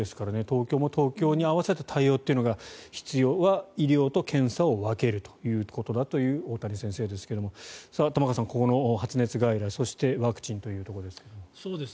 東京も東京に合わせた対応というのが必要医療と検査を分けるという大谷先生ですが玉川さん、この発熱外来そしてワクチンというところですが。